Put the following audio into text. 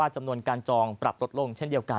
จำนวนการจองปรับลดลงเช่นเดียวกัน